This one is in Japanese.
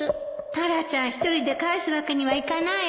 タラちゃん１人で帰すわけにはいかないわ